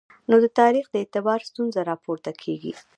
نو د تاریخ د اعتبار ستونزه راپورته کېږي.